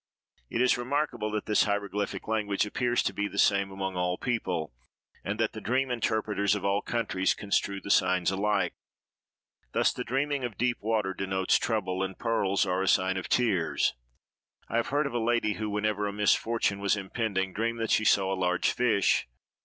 It is remarkable that this hieroglyphic language appears to be the same among all people; and that the dream interpreters of all countries construe the signs alike. Thus, the dreaming of deep water denotes trouble, and pearls are a sign of tears. I have heard of a lady who, whenever a misfortune was impending, dreamed that she saw a large fish.